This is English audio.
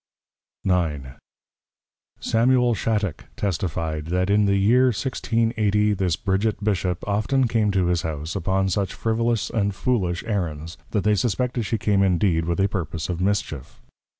IX. Samuel Shattock testify'd, That in the Year, 1680, this Bridget Bishop, often came to his House upon such frivolous and foolish Errands, that they suspected she came indeed with a purpose of mischief.